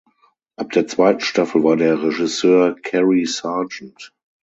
Ab der zweiten Staffel war der Regisseur Kerry Sargent.